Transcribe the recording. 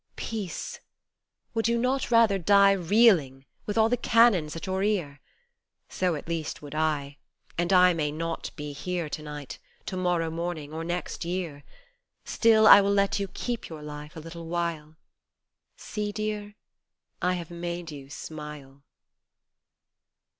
Peace ! Would you not rather die Reeling, with all the cannons at your ear ? So, at least, would I, And I may not be here To night, to morrow morning or next year. Still I will let you keep your life a little while, See dear ?/ have made you smile.